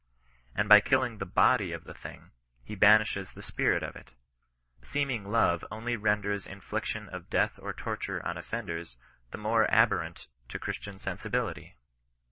And by killing the bodi/ of the thing, he ba nishes the spirit of it Seeming love only renders the infliction of death or torture on offenders the more ab horrent to Christian sensibility.